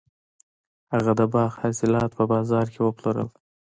هغه د باغ حاصلات په بازار کې وپلورل.